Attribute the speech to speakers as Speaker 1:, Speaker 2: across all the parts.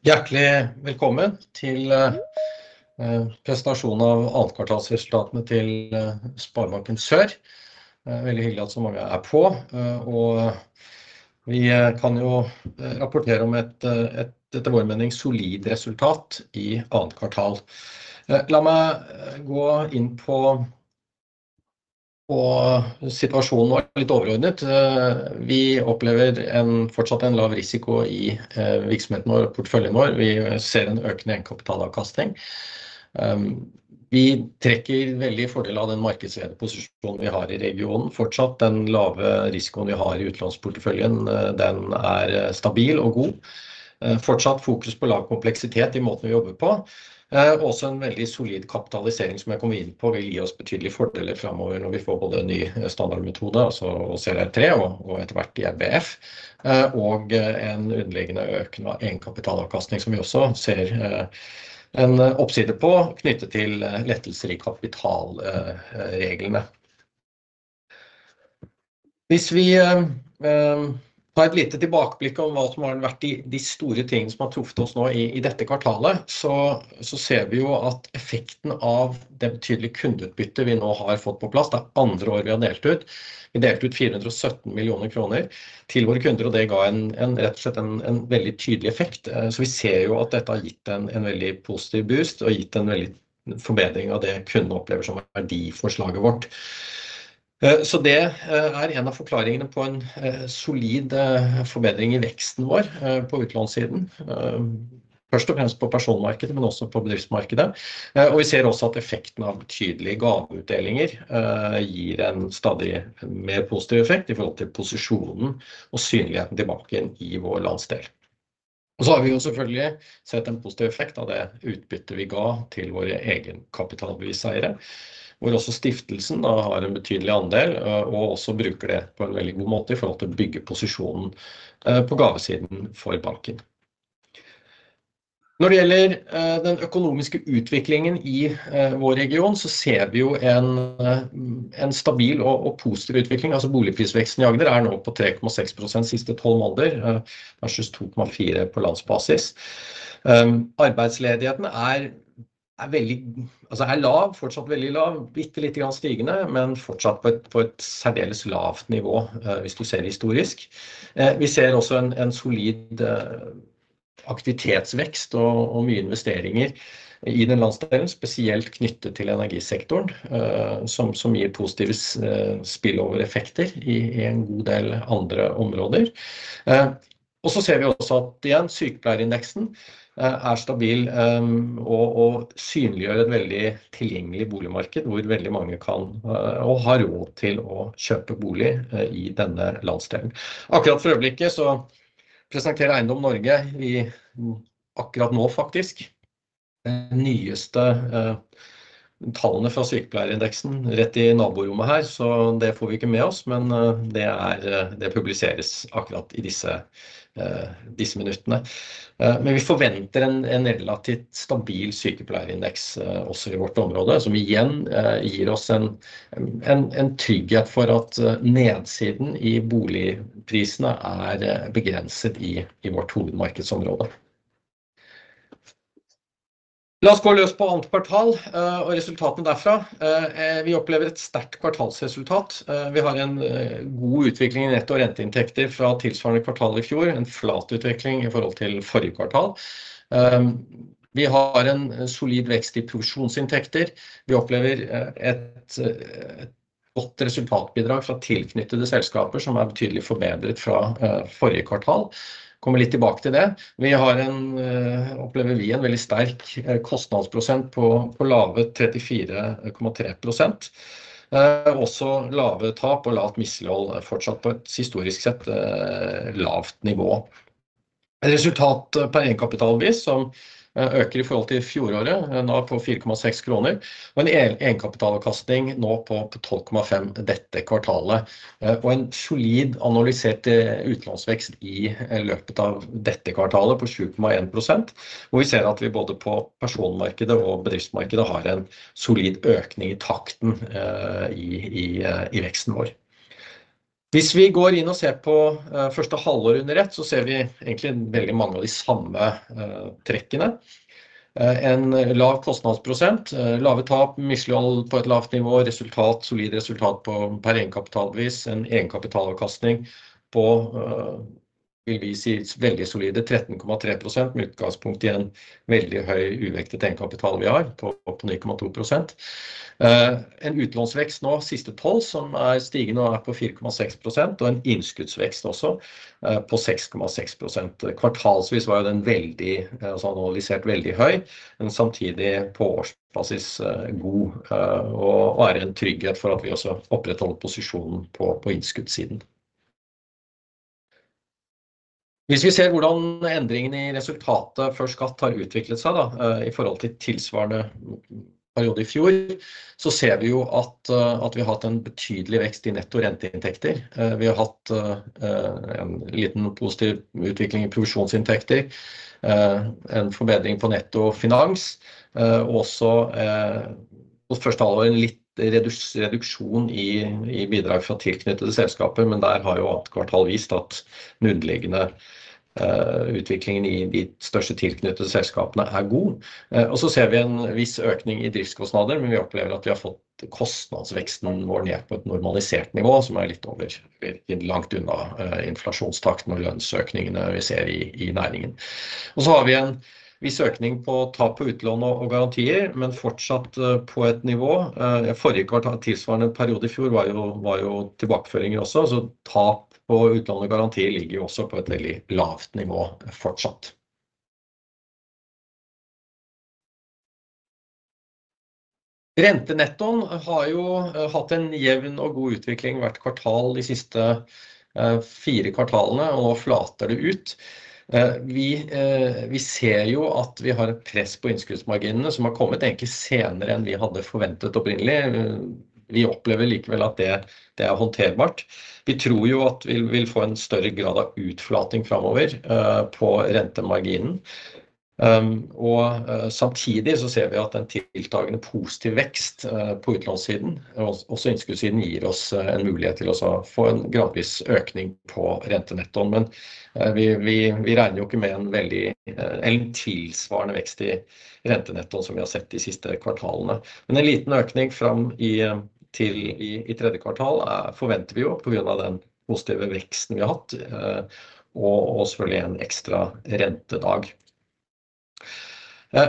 Speaker 1: Hjertelig velkommen til presentasjon av annet kvartalsresultatene til Sparebanken Sør. Veldig hyggelig at så mange er på, og vi kan rapportere om et etter vår mening solid resultat i annet kvartal. La meg gå inn på situasjonen vår litt overordnet. Vi opplever fortsatt en lav risiko i virksomheten vår og porteføljen vår. Vi ser en økende egenkapitalavkastning. Vi trekker veldig fordeler av den markedsledende posisjonen vi har i regionen fortsatt. Den lave risikoen vi har i utlånsporteføljen, den er stabil og god. Fortsatt fokus på lav kompleksitet i måten vi jobber på. Og også en veldig solid kapitalisering som jeg kommer inn på, vil gi oss betydelige fordeler fremover når vi får både ny standardmetode og CRR og etter hvert IFRS. Og en underliggende økning av egenkapitalavkastning, som vi også ser en oppside på knyttet til lettelser i kapitalreglene. Hvis vi tar et lite tilbakeblikk om hva som har vært de store tingene som har truffet oss nå i dette kvartalet, ser vi jo at effekten av det betydelige kundeutbyttet vi nå har fått på plass, det er andre året vi har delt ut. Vi delte ut NOK 427 millioner til våre kunder, og det ga en veldig tydelig effekt. Vi ser jo at dette har gitt en veldig positiv boost og gitt en veldig forbedring av det kunden opplever som verdiforslaget vårt. Det er en av forklaringene på en solid forbedring i veksten vår på utlånssiden. Først og fremst på personmarkedet, men også på bedriftsmarkedet. Vi ser også at effekten av betydelige gaveutdelinger gir en stadig mer positiv effekt i forhold til posisjonen og synligheten til banken i vår landsdel. Og så har vi jo selvfølgelig sett en positiv effekt av det utbyttet vi ga til våre egenkapitalbevis eiere, hvor også stiftelsen da har en betydelig andel og også bruker det på en veldig god måte i forhold til å bygge posisjonen på gavesiden for banken. Når det gjelder den økonomiske utviklingen i vår region, så ser vi jo en stabil og positiv utvikling. Boligprisveksten i Agder er nå på 3,6% siste tolv måneder, versus 2,4% på landsbasis. Arbeidsledigheten er veldig lav, fortsatt veldig lav. Bitte lite grann stigende, men fortsatt på et særdeles lavt nivå hvis du ser historisk. Vi ser også en solid aktivitetsvekst og mye investeringer i den landsdelen, spesielt knyttet til energisektoren, som gir positive spillover effekter i en god del andre områder. Og så ser vi også at igjen sykepleierindeksen er stabil og synliggjør et veldig tilgjengelig boligmarked, hvor veldig mange kan og har råd til å kjøpe bolig i denne landsdelen. Akkurat for øyeblikket så presenterer Eiendom Norge vi akkurat nå faktisk de nyeste tallene fra sykepleierindeksen rett i naborommet her, så det får vi ikke med oss. Men det publiseres akkurat i disse minuttene. Men vi forventer en relativt stabil sykepleierindeks også i vårt område, som igjen gir oss en trygghet for at nedsiden i boligprisene er begrenset i vårt hovedmarkedsområde. La oss gå løs på annet kvartal og resultatene derfra. Vi opplever et sterkt kvartalsresultat. Vi har en god utvikling i netto renteinntekter fra tilsvarende kvartal i fjor. En flat utvikling i forhold til forrige kvartal. Vi har en solid vekst i provisjonsinntekter. Vi opplever et godt resultatbidrag fra tilknyttede selskaper, som er betydelig forbedret fra forrige kvartal. Kommer litt tilbake til det. Vi opplever en veldig sterk kostnadsprosent på lave 34,3%. Også lave tap og lavt mislighold, fortsatt på et historisk sett lavt nivå. Resultat per egenkapitalbevis som øker i forhold til fjoråret, nå på 4,6 kroner og en egenkapitalavkastning nå på 12,5% dette kvartalet. Og en solid analysert utlånsvekst i løpet av dette kvartalet på 7,1%, hvor vi ser at vi både på personmarkedet og bedriftsmarkedet har en solid økning i takten i veksten vår. Hvis vi går inn og ser på første halvår under ett, så ser vi egentlig veldig mange av de samme trekkene. En lav kostnadsprosent, lave tap, mislighold på et lavt nivå, solid resultat per egenkapitalbevis. En egenkapitalavkastning på vil vi si veldig solide 13,3%, med utgangspunkt i en veldig høy uvektet egenkapital vi har på 9,2%. En utlånsvekst nå siste tolv, som er stigende og er på 4,6% og en innskuddsvekst også på 6,6%. Kvartalsvis var jo den veldig analysert, veldig høy, men samtidig på årsbasis god. Og er en trygghet for at vi også opprettholder posisjonen på innskuddssiden. Hvis vi ser hvordan endringen i resultatet før skatt har utviklet seg da i forhold til tilsvarende periode i fjor, så ser vi jo at vi har hatt en betydelig vekst i netto renteinntekter. Vi har hatt en liten positiv utvikling i provisjonsinntekter. En forbedring på netto finans og også i første halvår en litt redusert reduksjon i bidrag fra tilknyttede selskaper. Men der har jo annet kvartal vist at den underliggende utviklingen i de største tilknyttede selskapene er god. Så ser vi en viss økning i driftskostnader. Men vi opplever at vi har fått kostnadsveksten vår ned på et normalisert nivå, som er litt over, langt unna inflasjonstakten og lønnsøkningene vi ser i næringen. Så har vi en viss økning på tap på utlån og garantier, men fortsatt på et nivå. Forrige kvartal tilsvarende periode i fjor var jo tilbakeføringer også, så tap på utlån og garanti ligger også på et veldig lavt nivå fortsatt. Rentenettoen har jo hatt en jevn og god utvikling hvert kvartal de siste fire kvartalene, og nå flater det ut. Vi ser jo at vi har et press på innskuddsmarginene som har kommet egentlig senere enn vi hadde forventet opprinnelig. Vi opplever likevel at det er håndterbart. Vi tror jo at vi vil få en større grad av utflating fremover på rentemarginen. Samtidig så ser vi at en tiltagende positiv vekst på utlånssiden og innskuddssiden gir oss en mulighet til å få en gradvis økning på rentenettoen. Men vi regner jo ikke med en veldig eller tilsvarende vekst i rentenettoen som vi har sett de siste kvartalene. Men en liten økning fram til tredje kvartal forventer vi jo på grunn av den positive veksten vi har hatt. Selvfølgelig en ekstra rentedag.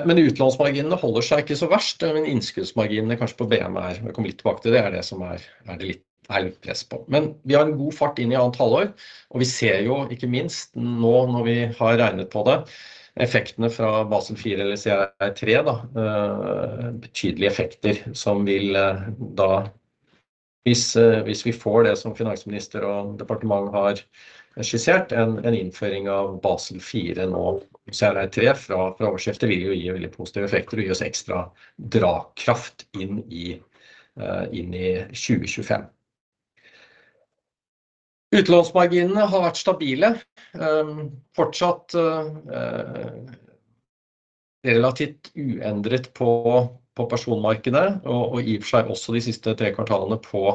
Speaker 1: Men utlånsmarginene holder seg ikke så verst. Men innskuddsmarginene kanskje på BM er, jeg kommer litt tilbake til det, er det som er litt press på. Men vi har en god fart inn i annet halvår, og vi ser jo ikke minst nå når vi har regnet på effektene fra Basel fire eller CRR da. Betydelige effekter som vil da hvis vi får det som finansministeren og departementet har skissert. En innføring av Basel IV nå CRR fra årsskiftet, vil jo gi veldig positive effekter og gi oss ekstra dragkraft inn i 2025. Utlånsmarginene har vært stabile, fortsatt relativt uendret på personmarkedet og i og for seg også de siste tre kvartalene på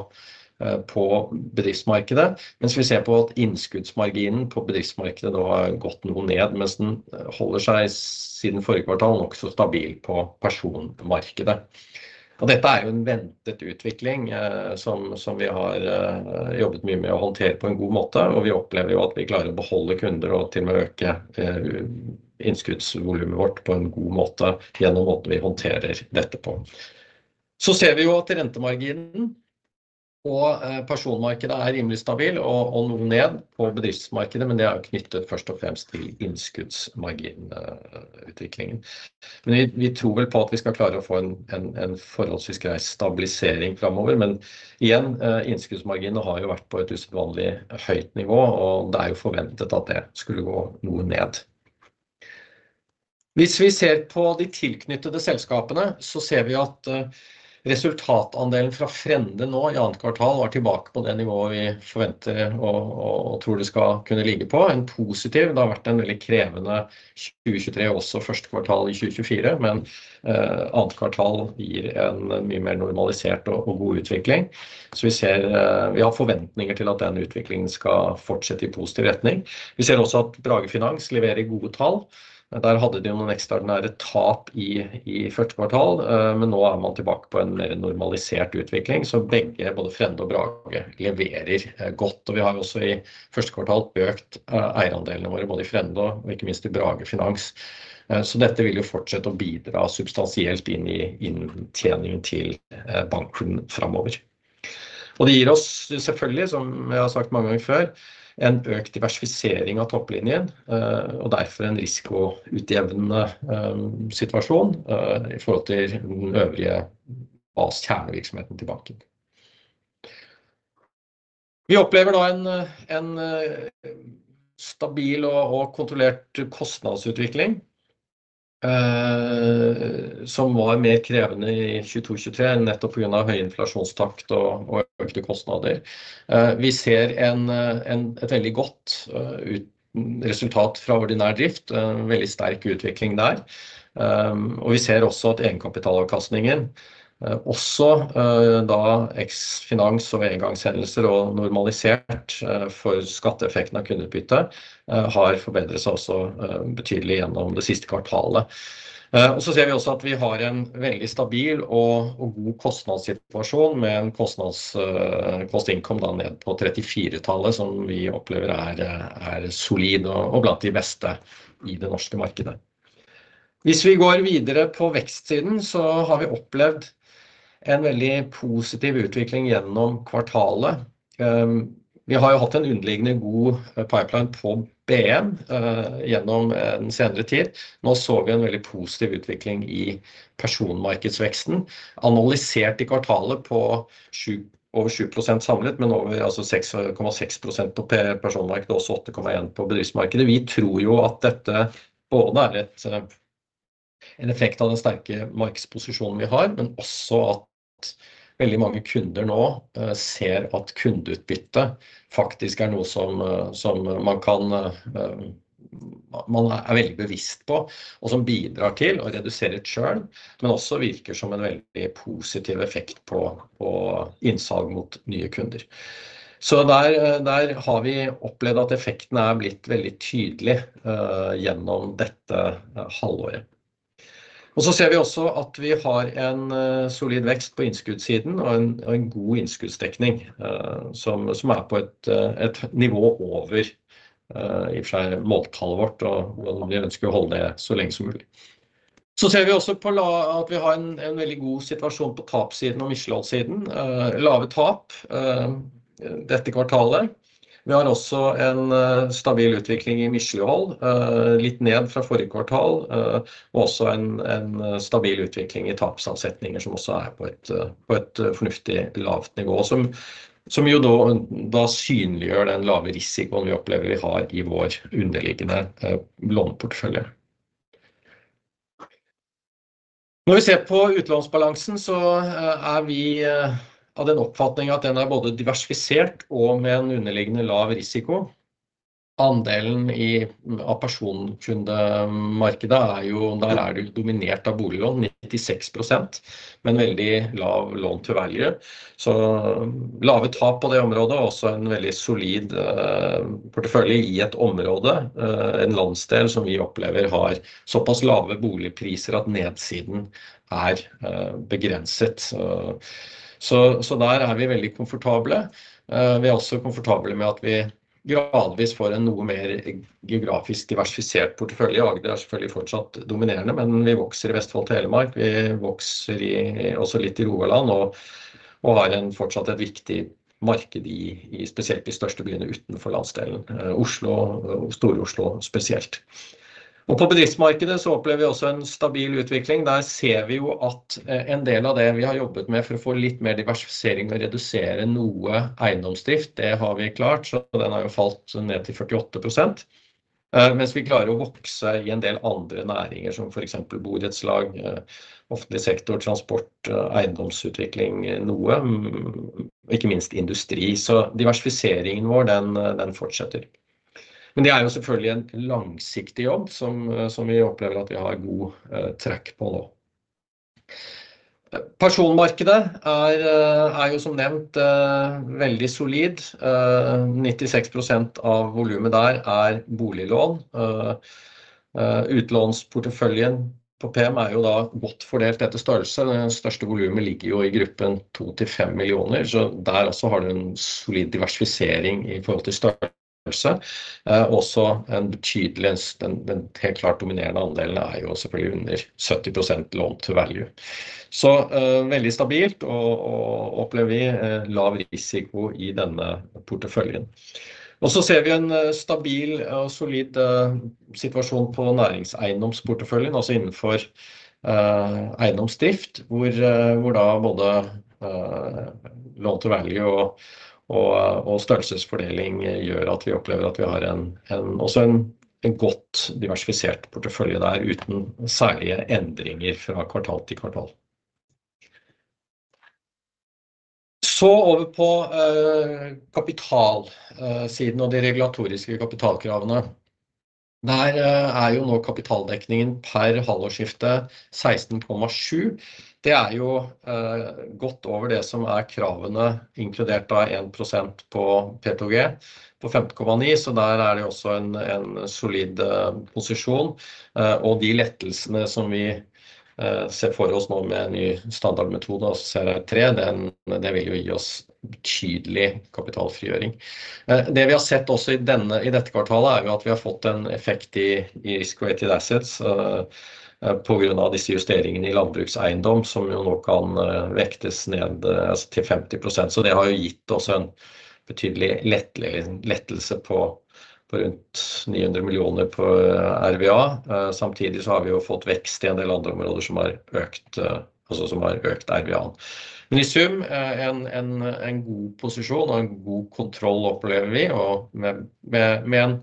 Speaker 1: bedriftsmarkedet. Mens vi ser at innskuddsmarginen på bedriftsmarkedet nå har gått noe ned, mens den holder seg siden forrige kvartal nokså stabil på personmarkedet. Dette er jo en ventet utvikling som vi har jobbet mye med å håndtere på en god måte. Vi opplever jo at vi klarer å beholde kunder og til og med øke innskuddsvolumet vårt på en god måte gjennom måten vi håndterer dette på. Så ser vi jo at rentemarginen på personmarkedet er rimelig stabil og noe ned på bedriftsmarkedet. Men det er jo knyttet først og fremst til innskuddsmarginutviklingen. Men vi tror vel på at vi skal klare å få en forholdsvis grei stabilisering fremover. Men igjen, innskuddsmarginene har jo vært på et usedvanlig høyt nivå, og det er jo forventet at det skulle gå noe ned. Hvis vi ser på de tilknyttede selskapene, så ser vi at resultatandelen fra Frende nå i annet kvartal var tilbake på det nivået vi forventer og tror det skal kunne ligge på en positiv. Det har vært en veldig krevende 2023, også første kvartal i 2024. Men annet kvartal gir en mye mer normalisert og god utvikling. Vi ser, vi har forventninger til at den utviklingen skal fortsette i positiv retning. Vi ser også at Brage Finans leverer gode tall. Der hadde de noen ekstraordinære tap i første kvartal. Men nå er man tilbake på en mer normalisert utvikling. Så begge både Frende og Brage leverer godt, og vi har også i første kvartal økt eierandelene våre både i Frende og ikke minst i Brage Finans. Så dette vil jo fortsette å bidra substansielt inn i inntjeningen til banken framover. Og det gir oss selvfølgelig, som jeg har sagt mange ganger før, en økt diversifisering av topplinjen og derfor en risikoutjevnende situasjon i forhold til den øvrige kjernevirksomheten til banken. Vi opplever nå en stabil og kontrollert kostnadsutvikling. Som var mer krevende i 2022-2023, nettopp på grunn av høy inflasjonstakt og økte kostnader. Vi ser et veldig godt resultat fra ordinær drift. Veldig sterk utvikling der, og vi ser også at egenkapitalavkastningen også da eks finans og engangshendelser og normalisert for skatteeffekten av kundeutbytte, har forbedret seg også betydelig gjennom det siste kvartalet. Og så ser vi også at vi har en veldig stabil og god kostnadssituasjon med en kostnads-kost-inntekt da ned på 34-tallet som vi opplever er solid og blant de beste i det norske markedet. Hvis vi går videre på vekstsiden så har vi opplevd en veldig positiv utvikling gjennom kvartalet. Vi har jo hatt en underliggende god pipeline på BM gjennom den senere tid. Nå så vi en veldig positiv utvikling i personmarkedsveksten, analysert i kvartalet på 7,7% samlet, men over 6,6% på personmarkedet og 8,1% på bedriftsmarkedet. Vi tror jo at dette både er en effekt av den sterke markedsposisjonen vi har, men også at veldig mange kunder nå ser at kundeutbytte faktisk er noe som man kan, man er veldig bevisst på og som bidrar til å redusere churn, men også virker som en veldig positiv effekt på innsalg mot nye kunder. Så der har vi opplevd at effekten er blitt veldig tydelig gjennom dette halvåret. Vi ser også at vi har en solid vekst på innskuddssiden og en god innskuddsdekning som er på et nivå over måltallet vårt og hvor vi ønsker å holde det så lenge som mulig. Vi ser også at vi har en veldig god situasjon på tapsiden og misligholdsiden. Lave tap dette kvartalet. Vi har også en stabil utvikling i mislighold. Litt ned fra forrige kvartal, og også en stabil utvikling i tapsets ansetninger, som også er på et fornuftig lavt nivå, og som da synliggjør den lave risikoen vi opplever vi har i vår underliggende låneportefølje. Når vi ser på utlånsbalansen så er vi av den oppfatning at den er både diversifisert og med en underliggende lav risiko. Andelen av personkundemarkedet er dominert av boliglån, 96%, men veldig lav loan to value. Så lave tap på det området, og også en veldig solid portefølje i et område, en landsdel som vi opplever har såpass lave boligpriser at nedsiden er begrenset. Så der er vi veldig komfortable. Vi er også komfortable med at vi gradvis får en noe mer geografisk diversifisert portefølje. Agder er selvfølgelig fortsatt dominerende, men vi vokser i Vestfold og Telemark. Vi vokser også litt i Rogaland, og har fortsatt et viktig marked i spesielt de største byene utenfor landsdelen, Oslo og Storoslo spesielt. På bedriftsmarkedet så opplever vi også en stabil utvikling. Der ser vi jo at en del av det vi har jobbet med for å få litt mer diversifisering og redusere noe eiendomsdrift, det har vi klart, så den har jo falt ned til 48%, mens vi klarer å vokse i en del andre næringer, som for eksempel borettslag, offentlig sektor, transport, eiendomsutvikling, ikke minst industri. Så diversifiseringen vår, den fortsetter. Men det er jo selvfølgelig en langsiktig jobb som vi opplever at vi har god trekk på nå. Personmarkedet er som nevnt veldig solid. 96% av volumet der er boliglån. Utlånsporteføljen på PM er jo da godt fordelt etter størrelse. Det største volumet ligger jo i gruppen to til fem millioner, så der også har du en solid diversifisering i forhold til størrelse. Også en betydelig, den helt klart dominerende andelen er jo selvfølgelig under 70% loan to value. Så veldig stabilt og opplever vi lav risiko i denne porteføljen. Og så ser vi en stabil og solid situasjon på næringseiendomsporteføljen, også innenfor eiendomsdrift, hvor både loan to value og størrelsesfordeling gjør at vi opplever at vi har en godt diversifisert portefølje der, uten særlige endringer fra kvartal til kvartal. Så over på kapitalsiden og de regulatoriske kapitalkravene. Der er jo nå kapitaldekningen per halvårsskifte 16,7%. Det er jo godt over det som er kravene, inkludert da 1% på P2G på 15,9%. Så der er det også en solid posisjon. Og de lettelsene som vi ser for oss nå med ny standardmetode assosiert tre, den det vil jo gi oss betydelig kapitalfrigjøring. Det vi har sett også i dette kvartalet, er jo at vi har fått en effekt i risk weighted assets på grunn av disse justeringene i landbrukseiendom, som jo nå kan vektes ned til 50%. Det har jo gitt oss en betydelig lettelse på rundt 900 millioner på RWA. Samtidig har vi jo fått vekst i en del andre områder som har økt RWA. Men i sum en god posisjon og en god kontroll opplever vi, og med en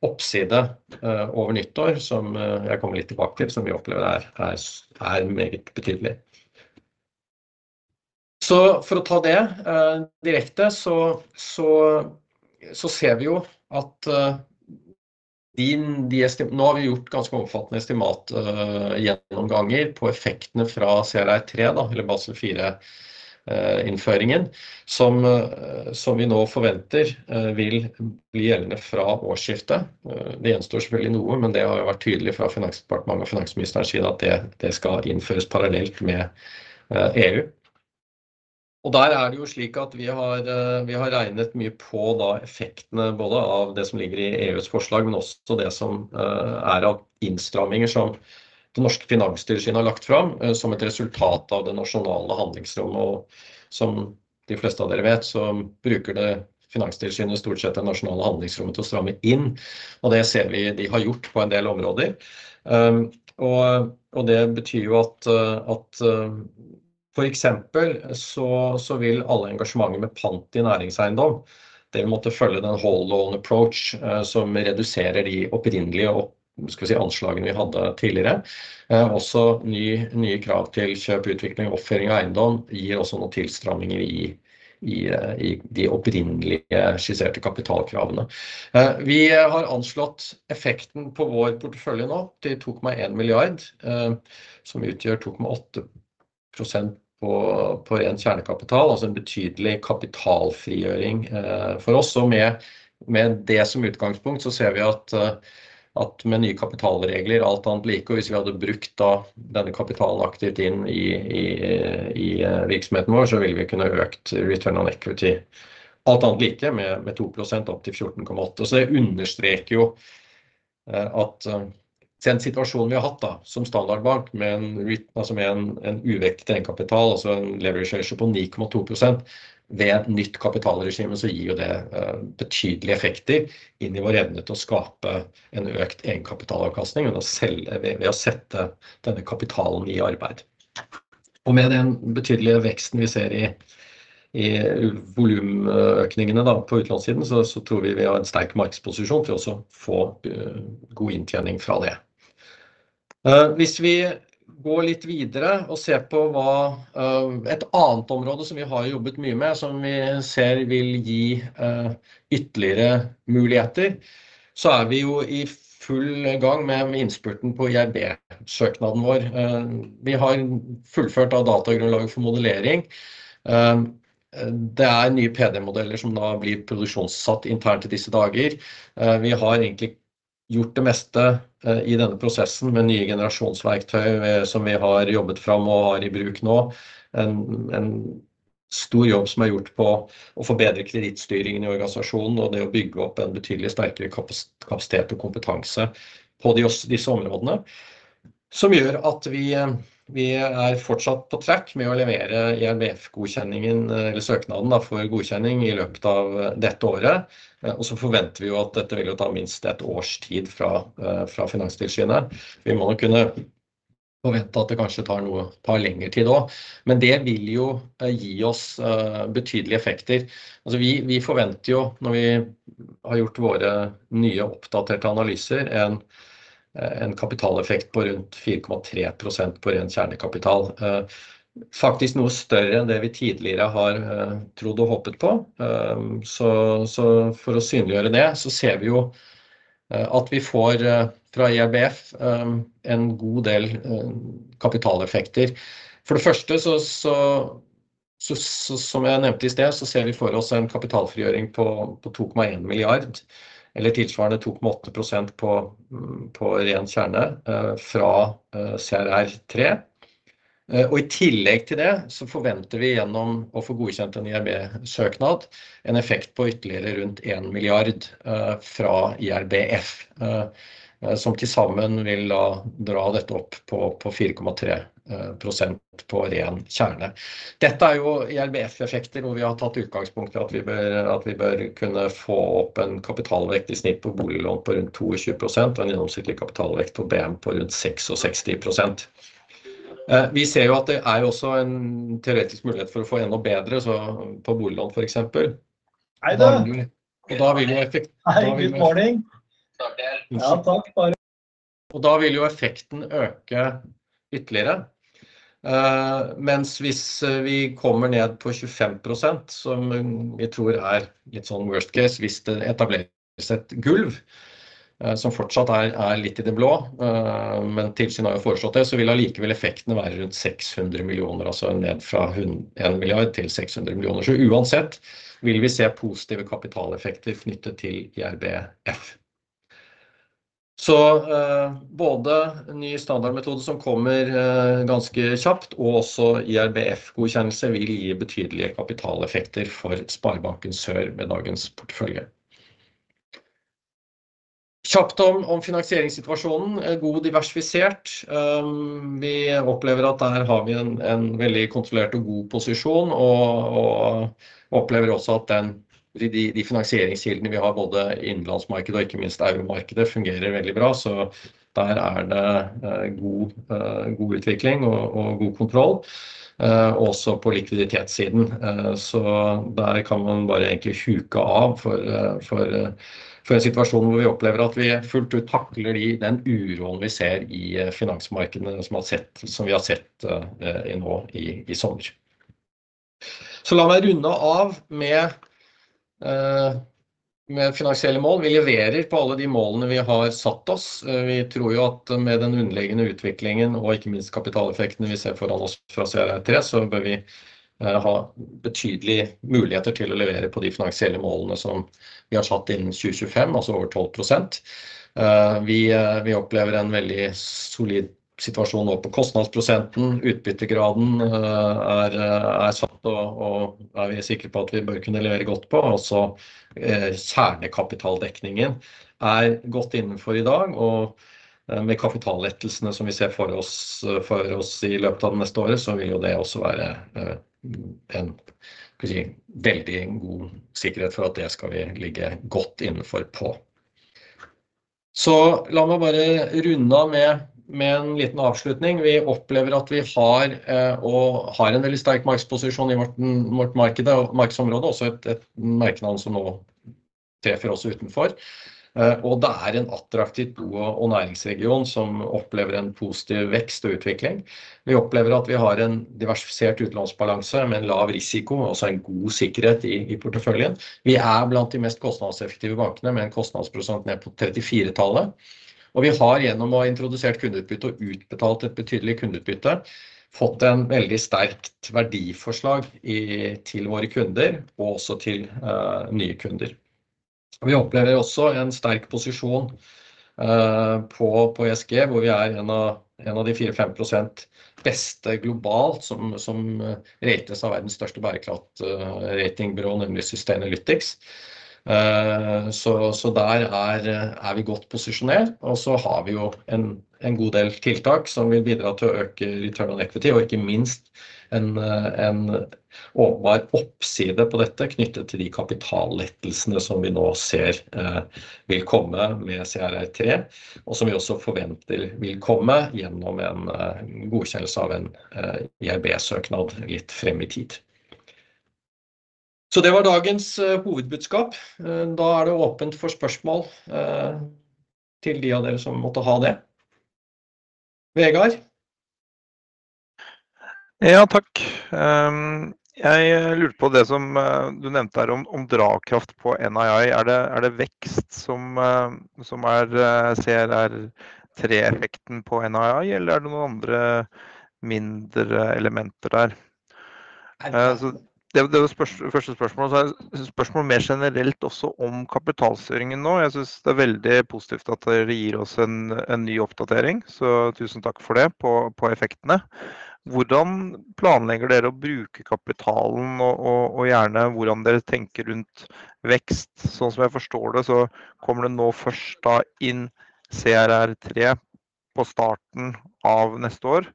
Speaker 1: oppside over nyttår som jeg kommer litt tilbake til, som vi opplever er meget betydelig. For å ta det direkte ser vi jo at de... Nå har vi gjort ganske omfattende estimat gjennomganger på effektene fra CRR III da eller Basel IV innføringen, som vi nå forventer vil bli gjeldende fra årsskiftet. Det gjenstår selvfølgelig noe, men det har jo vært tydelig fra Finansdepartementet og finansministeren side at det skal innføres parallelt med EU. Og der er det jo slik at vi har regnet mye på effektene både av det som ligger i EUs forslag, men også det som er av innstramminger som det norske Finanstilsynet har lagt fram som et resultat av det nasjonale handlingsrommet. Og som de fleste av dere vet, så bruker Finanstilsynet stort sett det nasjonale handlingsrommet til å stramme inn. Og det ser vi de har gjort på en del områder. Og det betyr jo at for eksempel så vil alle engasjementer med pant i næringseiendom. Det vil måtte følge den hold own approach som reduserer de opprinnelige, hva skal vi si, anslagene vi hadde tidligere. Også nye krav til kjøp, utvikling og oppføring av eiendom gir også noen tilstramninger i de opprinnelige skisserte kapitalkravene. Vi har anslått effekten på vår portefølje nå til 2,1 milliard, som utgjør 2,8% på ren kjernekapital. Altså en betydelig kapitalfrigjøring for oss. Og med det som utgangspunkt så ser vi at med nye kapitalregler, alt annet like, og hvis vi hadde brukt da denne kapitalen aktivt inn i virksomheten vår, så ville vi kunne økt return on equity. Alt annet like med 2% opp til 14,8%. Det understreker jo at den situasjonen vi har hatt da som standardbank med en uvektet egenkapital, altså en leverage på 9,2% ved nytt kapitalregime, gir jo det betydelige effekter inn i vår evne til å skape en økt egenkapitalavkastning ved å sette denne kapitalen i arbeid. Med den betydelige veksten vi ser i volumøkningen da på utlånssiden, tror vi vi har en sterk markedsposisjon til å også få god inntjening fra det. Hvis vi går litt videre og ser på hva et annet område som vi har jobbet mye med, som vi ser vil gi ytterligere muligheter, er vi jo i full gang med innspurten på IRB-søknaden vår. Vi har fullført datagrunnlaget for modellering. Det er nye PD-modeller som da blir produksjonssatt internt i disse dager. Vi har egentlig gjort det meste i denne prosessen med nye generasjonsverktøy som vi har jobbet frem og har i bruk nå. En stor jobb som er gjort på å få bedre kredittstyringen i organisasjonen og det å bygge opp en betydelig sterkere kapasitet og kompetanse på disse områdene, som gjør at vi er fortsatt på track med å levere i en godkjenningen eller søknaden om godkjenning i løpet av dette året. Så forventer vi jo at dette vil jo ta minst et års tid fra Finanstilsynet. Vi må nok kunne forvente at det kanskje tar lengre tid også, men det vil jo gi oss betydelige effekter. Vi forventer jo når vi har gjort våre nye oppdaterte analyser, en kapitaleffekt på rundt 4,3% på ren kjernekapital. Faktisk noe større enn det vi tidligere har trodd og håpet på. For å synliggjøre det, ser vi jo at vi får fra IRBF en god del kapitaleffekter. For det første, som jeg nevnte i sted, ser vi for oss en kapitalfrigjøring på 2,1 milliard, eller tilsvarende 2,8% på ren kjerne fra CRR tre. I tillegg til det forventer vi gjennom å få godkjent en IRB søknad en effekt på ytterligere rundt én milliard fra IRBF, som til sammen vil da dra dette opp på 4,3% på ren kjerne. Dette er jo IRBF-effekter hvor vi har tatt utgangspunkt i at vi bør kunne få opp en kapitaldekning i snitt på boliglån på rundt 220% og en gjennomsnittlig kapitaldekning på BM på rundt 660%. Vi ser jo at det er også en teoretisk mulighet for å få enda bedre. Så på boliglån, for eksempel. Hei der! God morning. Ja, takk da. Og da vil jo effekten øke ytterligere. Mens hvis vi kommer ned på 25%, som vi tror er en sånn worst case, hvis det etableres et gulv som fortsatt er litt i det blå. Men tilsynet har jo foreslått det, så vil allikevel effektene være rundt 600 millioner, altså ned fra en milliard til 600 millioner. Så uansett vil vi se positive kapitaleffekter knyttet til IRBF. Så både ny standardmetode som kommer ganske kjapt og også IRBF-godkjennelse vil gi betydelige kapitaleffekter for Sparebanken Sør med dagens portefølje. Kjapt om finansieringssituasjonen er god diversifisert. Vi opplever at der har vi en veldig kontrollert og god posisjon, og opplever også at de finansieringskildene vi har både i innenlandsmarkedet og ikke minst euromarkedet, fungerer veldig bra. Der er det god utvikling og god kontroll også på likviditetssiden. Der kan man bare egentlig huke av for en situasjon hvor vi opplever at vi fullt ut takler uroen vi ser i finansmarkedene, som vi har sett nå i sommer. La meg runde av med finansielle mål. Vi leverer på alle de målene vi har satt oss. Vi tror jo at med den underliggende utviklingen og ikke minst kapitaleffekten vi ser foran oss fra CRR tre, så bør vi ha betydelige muligheter til å levere på de finansielle målene som vi har satt innen 2025, altså over 12%. Vi opplever en veldig solid situasjon nå på kostnadsprosenten. Utbyttegraden er satt, og vi er sikre på at vi bør kunne levere godt på. Kjernekapitaldekningen er godt innenfor i dag, og med kapitallettelsene som vi ser for oss i løpet av det neste året, så vil jo det også være en veldig god sikkerhet for at det skal vi ligge godt innenfor på. La meg bare runde av med en liten avslutning. Vi opplever at vi har en veldig sterk markedsposisjon i vårt marked og markedsområde, og også et merkevarenavn som nå treffer også utenfor. Og det er en attraktiv bo- og næringsregion som opplever en positiv vekst og utvikling. Vi opplever at vi har en diversifisert utlånsbalanse med en lav risiko og også en god sikkerhet i porteføljen. Vi er blant de mest kostnadseffektive bankene, med en kostnadsprosent ned på 34%, og vi har gjennom å ha introdusert kundeutbytte og utbetalt et betydelig kundeutbytte, fått et veldig sterkt verdiforslag til våre kunder og også til nye kunder. Vi opplever også en sterk posisjon på ESG, hvor vi er en av de 4-5% beste globalt, som rates av verdens største bærekraft-ratingbyrå, nemlig Sustainalytics. Så der er vi godt posisjonert. Og så har vi jo en god del tiltak som vil bidra til å øke return on equity og ikke minst en åpenbar oppside på dette knyttet til de kapitallettelsene som vi nå ser vil komme med CRR tre, og som vi også forventer vil komme gjennom en godkjennelse av en IRB søknad litt frem i tid. Så det var dagens hovedbudskap. Da er det åpent for spørsmål til de av dere som måtte ha det. Vegard?
Speaker 2: Ja takk. Jeg lurte på det som du nevnte her om dragkraft på NII. Er det vekst som er CRR III-effekten på NII, eller er det noen andre mindre elementer der? Så det var det første spørsmålet. Så et spørsmål mer generelt også om kapitalstyringen nå. Jeg synes det er veldig positivt at dere gir oss en ny oppdatering, så tusen takk for det på effektene. Hvordan planlegger dere å bruke kapitalen og gjerne hvordan dere tenker rundt vekst? Sånn som jeg forstår det så kommer det nå først inn CRR III på starten av neste år,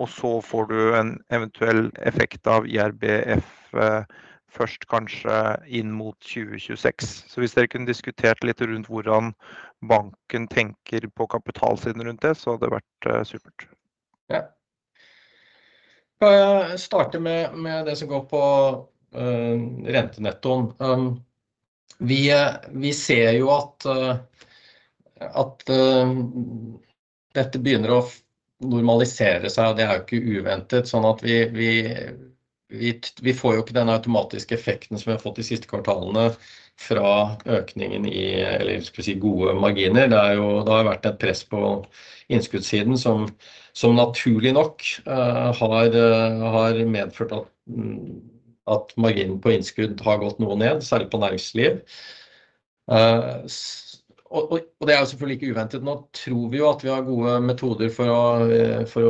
Speaker 2: og så får du en eventuell effekt av IRBF først, kanskje inn mot 2026. Så hvis dere kunne diskutert litt rundt hvordan banken tenker på kapital siden rundt det, så hadde det vært supert.
Speaker 1: Ja. Jeg starter med det som går på rentenetto. Vi ser jo at dette begynner å normalisere seg, og det er jo ikke uventet. Sånn at vi får jo ikke den automatiske effekten som vi har fått de siste kvartalene fra økningen i eller skal vi si gode marginer. Det er jo, det har vært et press på innskuddssiden som naturlig nok har medført at marginen på innskudd har gått noe ned, særlig på næringsliv. Og det er jo selvfølgelig ikke uventet. Nå tror vi jo at vi har gode metoder for å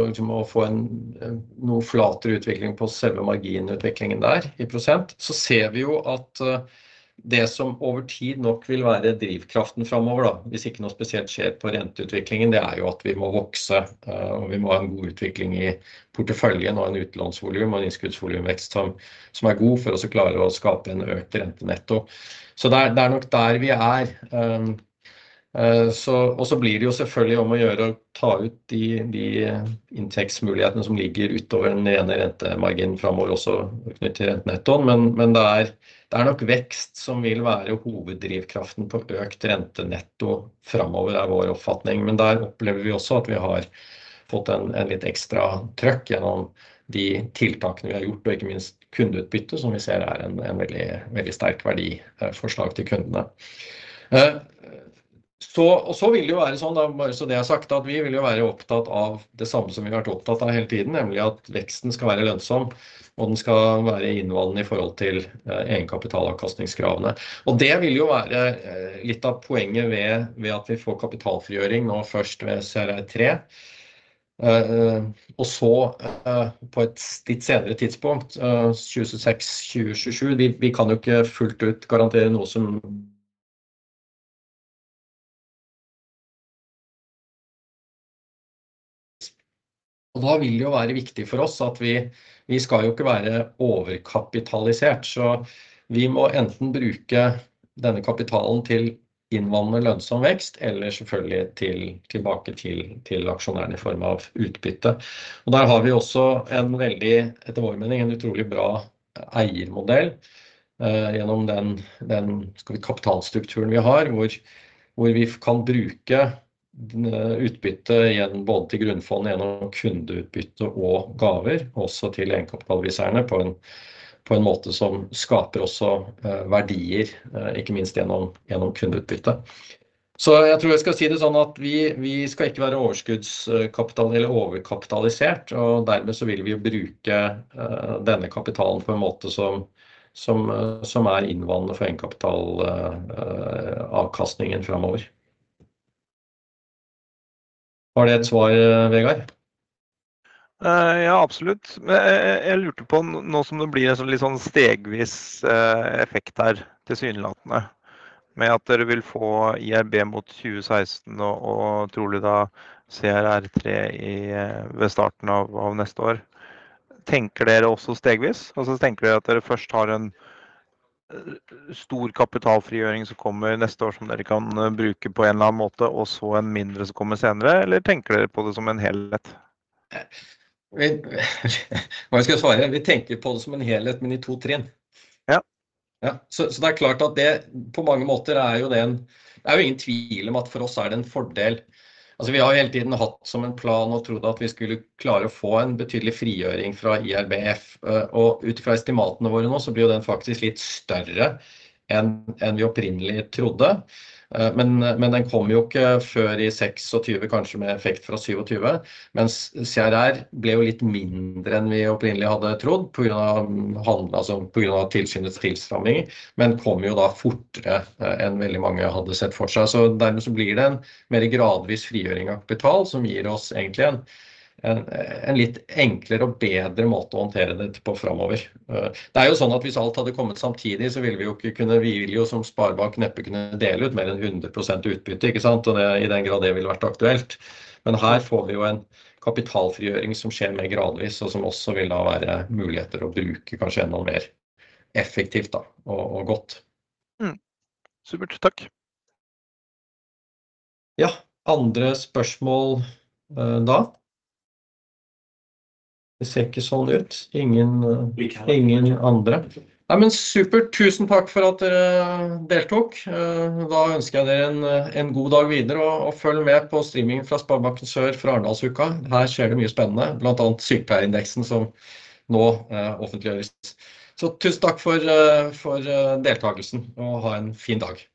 Speaker 1: liksom å få en noe flatere utvikling på selve marginutviklingen der i %. Vi ser jo at det som over tid nok vil være drivkraften fremover, hvis ikke noe spesielt skjer på renteutviklingen, det er jo at vi må vokse, og vi må ha en god utvikling i porteføljen og en utlånsvolum og innskuddsvolumvekst som er god for å klare å skape en økt rentenetto. Det er nok der vi er. Det blir jo selvfølgelig om å gjøre å ta ut de inntektsmulighetene som ligger utover den rene rentemarginen fremover, også knyttet til rentenetto. Men det er nok vekst som vil være hoveddrivkraften for økt rentenetto fremover, er vår oppfatning. Der opplever vi også at vi har fått en litt ekstra trøkk gjennom de tiltakene vi har gjort, og ikke minst kundeutbytte, som vi ser er et veldig sterkt verdiforslag til kundene. Så, og så vil det jo være sånn da, bare så det er sagt, at vi vil jo være opptatt av det samme som vi har vært opptatt av hele tiden, nemlig at veksten skal være lønnsom og den skal være innvandlende i forhold til egenkapitalavkastningskravene. Og det vil jo være litt av poenget med ved at vi får kapitalfrigjøring nå først ved CRR tre, og så på et litt senere tidspunkt 2026, 2027. Vi kan jo ikke fullt ut garantere noe som... Og da vil det jo være viktig for oss at vi skal jo ikke være overkapitalisert, så vi må enten bruke denne kapitalen til innvandrer lønnsom vekst eller selvfølgelig til tilbake til aksjonærene i form av utbytte. Og der har vi også en veldig, etter vår mening en utrolig bra eiermodell. Gjennom den skal vi kapitalstrukturen vi har, hvor vi kan bruke utbyttet igjen, både til grunnfond gjennom kundeutbytte og gaver, også til egenkapitalbegivene på en måte som skaper også verdier, ikke minst gjennom kundeutbytte. Så jeg tror jeg skal si det sånn at vi skal ikke være overskuddskapital eller overkapitalisert, og dermed så vil vi jo bruke denne kapitalen på en måte som er innvannet for egenkapitalavkastningen fremover. Var det et svar, Vegard?
Speaker 2: Ja, absolutt. Jeg lurte på nå som det blir en litt sånn stegvis effekt her, tilsynelatende med at dere vil få IRB mot 2016 og trolig da CRR 3 i ved starten av neste år. Tenker dere også stegvis? Altså tenker jeg at dere først har en stor kapitalfrigjøring som kommer neste år, som dere kan bruke på en eller annen måte, og så en mindre som kommer senere. Eller tenker dere på det som en helhet?
Speaker 1: Nei, hva jeg skal svare? Vi tenker på det som en helhet, men i to trinn.
Speaker 2: Ja.
Speaker 1: Ja. Så det er klart at det på mange måter er jo det en, det er jo ingen tvil om at for oss er det en fordel. Altså, vi har jo hele tiden hatt som en plan og trodd at vi skulle klare å få en betydelig frigjøring fra IRBF. Ut fra estimatene våre nå så blir jo den faktisk litt større enn vi opprinnelig trodde. Men den kom jo ikke før i seks og tjue, kanskje med effekt fra syv og tjue. Mens CRR ble jo litt mindre enn vi opprinnelig hadde trodd på grunn av handlet, altså på grunn av tilsynets tilstramninger. Men kom jo da fortere enn veldig mange hadde sett for seg. Så dermed så blir det en mer gradvis frigjøring av kapital, som gir oss egentlig en litt enklere og bedre måte å håndtere det på fremover. Det er jo sånn at hvis alt hadde kommet samtidig, så ville vi jo ikke kunne-- vi vil jo som sparebank neppe kunne dele ut mer enn 100% utbytte, ikke sant? Og det i den grad det ville vært aktuelt. Men her får vi jo en kapitalfrigjøring som skjer mer gradvis, og som også vil da være muligheter å bruke, kanskje enda mer effektivt da. Og godt.
Speaker 2: Mm. Super. Takk!
Speaker 1: Ja. Andre spørsmål da? Det ser ikke sånn ut. Ingen. Ingen andre. Nei, men supert. Tusen takk for at dere deltok. Da ønsker jeg dere en god dag videre. Og følg med på streamingen fra Sparebanken Sør fra Arendalsuka. Her skjer det mye spennende, blant annet sykepleierindeksen som nå offentliggjøres. Så tusen takk for deltakelsen og ha en fin dag!